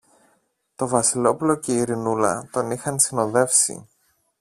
Το Βασιλόπουλο και η Ειρηνούλα τον είχαν συνοδεύσει.